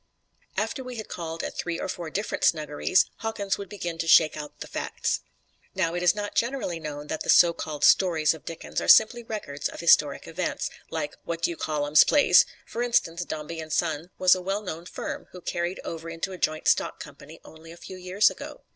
After we had called at three or four different snuggeries, Hawkins would begin to shake out the facts. Now, it is not generally known that the so called stories of Dickens are simply records of historic events, like What do you call um's plays! F'r instance, Dombey and Son was a well known firm, who carried over into a joint stock company only a few years ago.